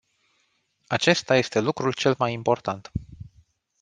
Acesta este lucrul cel mai important.